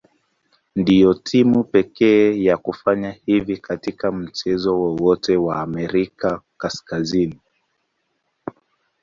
Ndio timu pekee ya kufanya hivi katika mchezo wowote wa Amerika Kaskazini.